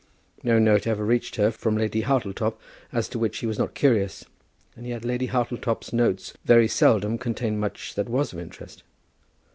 No note ever reached her from Lady Hartletop as to which he was not curious, and yet Lady Hartletop's notes very seldom contained much that was of interest.